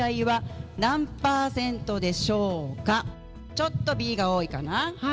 ちょっとＢが多いかな？